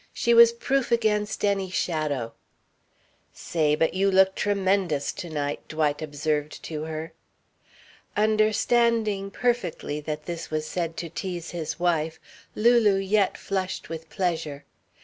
She was proof against any shadow. "Say, but you look tremendous to night," Dwight observed to her. Understanding perfectly that this was said to tease his wife, Lulu yet flushed with pleasure.